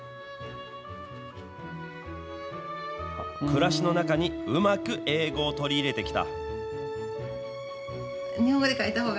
暮らしの中にうまく英語を取り入れてきた。